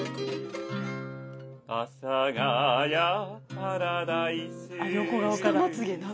「阿佐ヶ谷パラダイス」